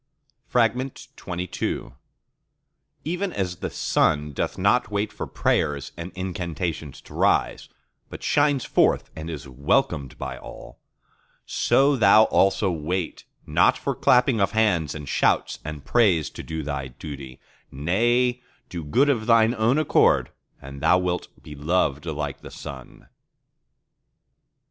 XXII Even as the Sun doth not wait for prayers and incantations to rise, but shines forth and is welcomed by all: so thou also wait not for clapping of hands and shouts and praise to do thy duty; nay, do good of thine own accord, and thou wilt be loved like the Sun.